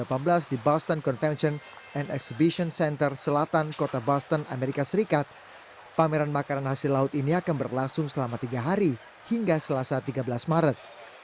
di boston convention and exhibition center selatan kota boston amerika serikat pameran makanan hasil laut ini akan berlangsung selama tiga hari hingga selasa tiga belas maret